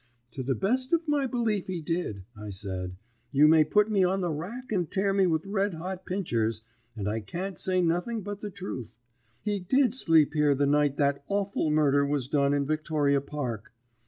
"'To the best of my belief he did,' I said. 'You may put me on the rack and tear me with red hot pinchers, and I can't say nothing but the truth. He did sleep here the night that awful murder was done in Victoria Park.